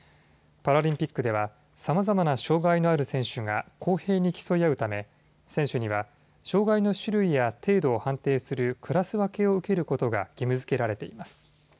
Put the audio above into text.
パラリンピックでは、さまざまな障害のある選手が公平に競い合うため選手には障害の種類や程度判定するクラス分けを受けることが義務づけられています。